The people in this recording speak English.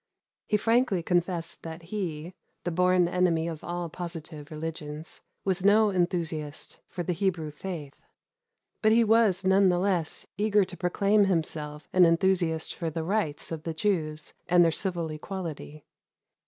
He frankly confessed that he, the "born enemy of all positive religions," was no enthusiast for the Hebrew faith, but he was none the less eager to proclaim himself an enthusiast for the rights of the Jews and their civil equality.